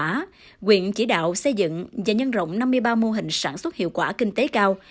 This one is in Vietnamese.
trong đó quyện chỉ đạo xây dựng và nhân rộng năm mươi ba mô hình sản xuất hiệu quả kinh tế cao